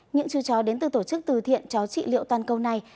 những chú chó đến từ tổ chức từ thiện chó trị liệu toàn cầu này